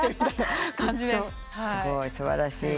すごい。素晴らしい。